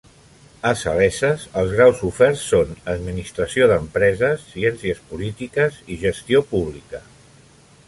A Saleses, els graus oferts són Administració d'Empreses, Ciències Polítiques i Gestió Pública.